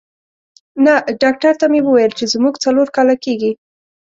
نه، ډاکټر ته مې وویل چې زموږ څلور کاله کېږي.